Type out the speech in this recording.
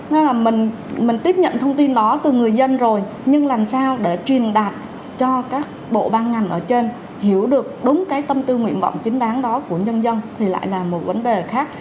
nên là mình tiếp nhận thông tin đó từ người dân rồi nhưng làm sao để truyền đạt cho các bộ ban ngành ở trên hiểu được đúng cái tâm tư nguyện vọng chính đáng đó của nhân dân thì lại là một vấn đề khác